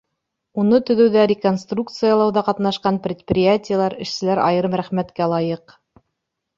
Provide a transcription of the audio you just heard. Уны төҙөүҙә, реконструкциялауҙа ҡатнашҡан предприятиелар, эшселәр айырым рәхмәткә лайыҡ.